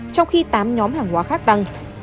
trong khi tám nhóm hàng hóa khác tăng